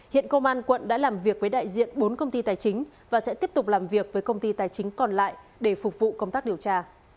hiện công an quận đã làm việc với đại diện bốn công ty tài chính và sẽ tiếp tục làm việc với công ty tài chính còn lại để phục vụ công tác điều tra